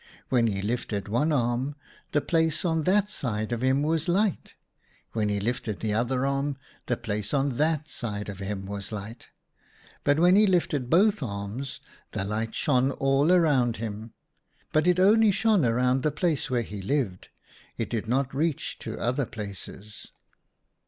When he lifted one arm, the place on that side of him was light ; when he lifted the other arm, the place on that side of him was light ; but when he lifted both arms, the light shone all around about him. But it only shone around the place where he lived ; it did not reach to other places.